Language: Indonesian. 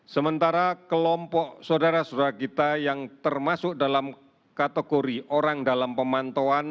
sementara kelompok saudara saudara kita